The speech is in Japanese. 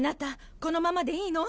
このままでいいの？